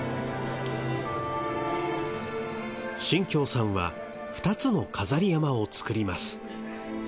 信喬さんは２つの飾り山笠を作ります。